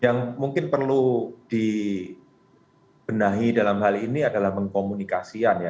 yang mungkin perlu dibenahi dalam hal ini adalah mengkomunikasikan ya